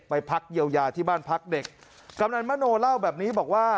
ไปพักเยียวยาที่บ้านพักเด็กกำนันมโนเล่าแบบนี้บอกว่า